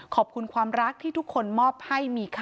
ขอบคุณความรักที่ทุกคนมอบให้มีค่ะ